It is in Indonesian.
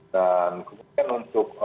dan kemudian untuk